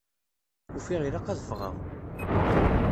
Ufiɣ ilaq ad d-ffɣeɣ.